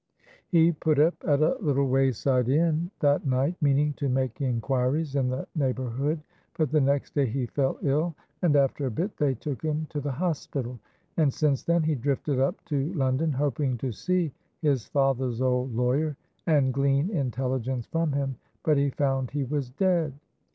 "He put up at a little wayside inn that night, meaning to make inquiries in the neighbourhood, but the next day he fell ill, and after a bit they took him to the hospital, and since then he drifted up to London, hoping to see his father's old lawyer and glean intelligence from him, but he found he was dead.